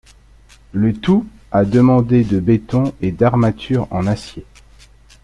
Le tout a demandé de béton et d'armatures en acier.